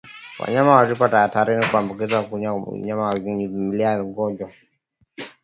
Wanyama waliopo hatarini kuambukizwa hunywa majimaji yenye vimelea vya ugonjwa